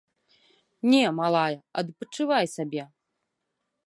Не, малая, адпачывай сабе.